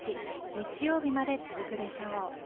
日曜日まで続くでしょう。